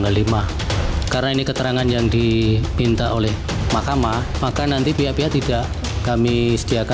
jadi saya akan menerangkan semuanya ditunggu aja hari lagi